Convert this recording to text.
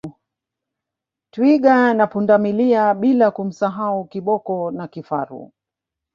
Twiga na Pundamilia bila kumsahau Kiboko na kifaru